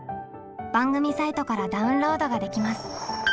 番組サイトからダウンロードができます。